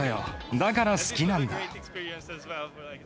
だから好きなんだ。